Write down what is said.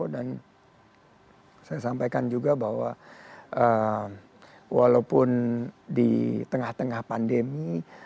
dan saya sampaikan juga bahwa walaupun di tengah tengah pandemi